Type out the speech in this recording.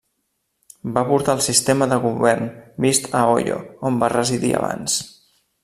Va portar el sistema de govern vist a Oyo, on va residir abans.